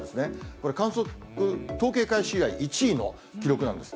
これ、統計開始以来１位の記録なんです。